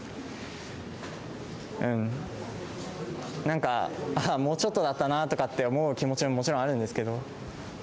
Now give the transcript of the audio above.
うん、なんか、もうちょっとだったなとかって思う気持ちももちろんあるんですけど。